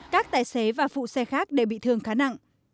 các tài xế và phụ xe khác đều bị thương khá nặng